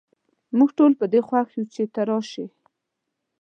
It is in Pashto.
موږ ټول په دي خوښ یو چې ته راشي